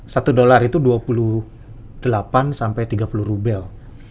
satu dolar itu dua puluh delapan sampai tiga puluh rubel